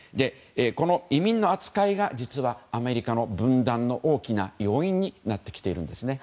この移民の扱いが実はアメリカの分断の大きな要因になってきているんですね。